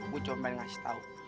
gua cuma pengen ngasih tau